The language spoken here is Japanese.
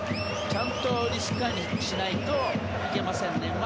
ちゃんとリスク管理しないといけませんね。